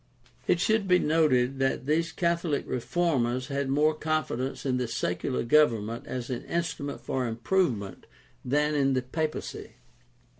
It should be noted that these Catholic reformers had more confidence in the secular government as an instrument for improvement than in the papacy.